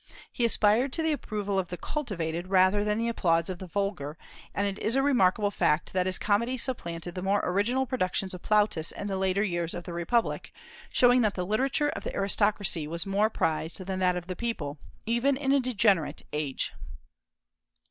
He aspired to the approval of the cultivated, rather than the applause of the vulgar; and it is a remarkable fact that his comedies supplanted the more original productions of Plautus in the later years of the republic, showing that the literature of the aristocracy was more prized than that of the people, even in a degenerate age.